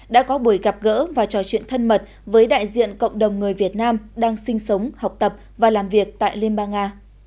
đã có buổi gặp gỡ và trò chuyện thân mật với đại diện cộng đồng người việt nam đang sinh sống học tập và làm việc tại liên bang nga